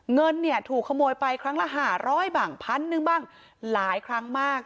เงินเนี่ยถูกขโมยไปครั้งละ๕๐๐บ้างพันหนึ่งบ้างหลายครั้งมาก